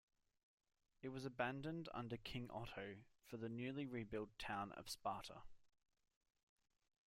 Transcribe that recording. It was abandoned under King Otto for the newly rebuilt town of Sparta.